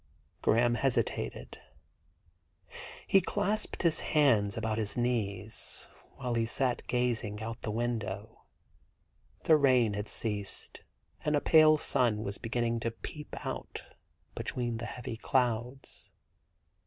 Graham hesitated. He clasped his hands about his knees, while he sat gazing out of the window. The rain had ceased and a pale sun was beginning to peep out between the heavy clouds.